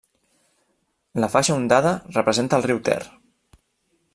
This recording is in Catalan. La faixa ondada representa al riu Ter.